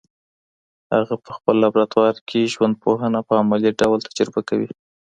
هغه په خپل لابراتوار کي ژوندپوهنه په عملي ډول تجربه کوي.